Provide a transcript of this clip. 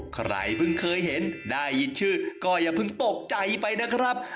ใครเพิ่งเคยเห็นได้ยินชื่อก็อย่าเพิ่งตกใจไปนะครับ